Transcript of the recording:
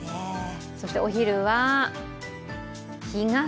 そしてお昼は日傘。